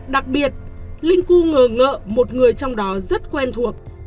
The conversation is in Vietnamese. đặc biệt linh cu ngờ ngợ một người trong đó rất quen thuộc